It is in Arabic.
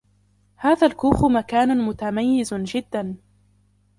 هذا الكوخ مكان متميز جدا.